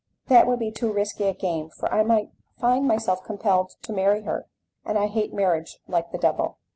"That would be too risky a game, for I might find myself compelled to marry her, and I hate marriage like the devil."